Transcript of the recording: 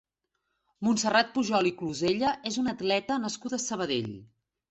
Montserrat Pujol i Clusella és una atleta nascuda a Sabadell.